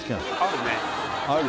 あるね